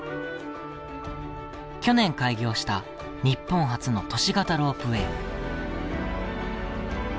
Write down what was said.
去年開業した日本初の都市型ロープウエー。